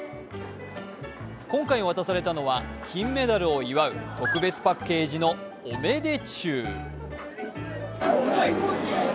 今回渡されたのは金メダルを祝う特別パッケージのオメデチュウ。